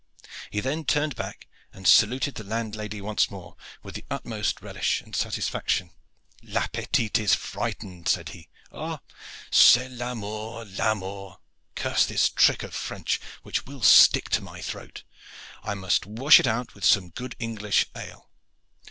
He then turned back and saluted the landlady once more with the utmost relish and satisfaction. "La petite is frightened," said he. "Ah, c'est l'amour, l'amour! Curse this trick of French, which will stick to my throat. I must wash it out with some good English ale.